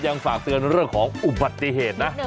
ฝากเตือนเรื่องของอุบัติเหตุนะ